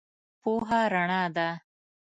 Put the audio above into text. پوهه رنا ده.